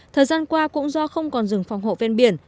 thời gian qua cũng do không còn rừng phòng hộ ven biển